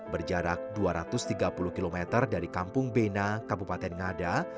berjarak dua ratus tiga puluh km dari kampung bena kabupaten ngada